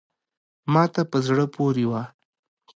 ما ته په زړه پوري وه …